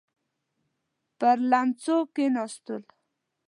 پر ليمڅو کېناستل.